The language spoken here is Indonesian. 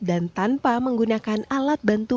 tanpa menggunakan alat bantu